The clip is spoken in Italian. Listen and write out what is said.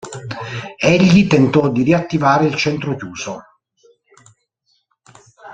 Egli tentò di riattivare il centro chiuso.